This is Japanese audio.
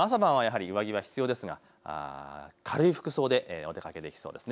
朝晩は上着が必要ですが、軽い服装でお出かけできそうです。